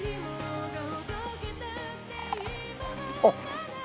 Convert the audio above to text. あっ。